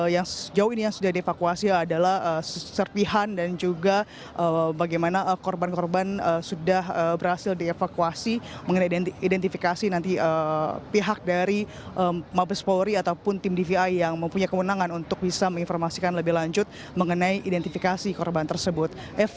yang sejauh ini yang sudah dievakuasi adalah serpihan dan juga bagaimana korban korban sudah berhasil dievakuasi mengenai identifikasi nanti pihak dari mabes polri ataupun tim dvi yang mempunyai kewenangan untuk bisa menginformasikan lebih lanjut mengenai identifikasi korban tersebut